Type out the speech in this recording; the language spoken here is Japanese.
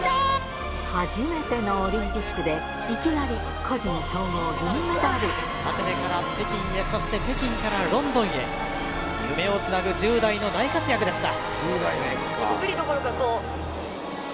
初めてのオリンピックでいきなりアテネから北京へそして北京からロンドンへ夢をつなぐ１０代の大活躍でした。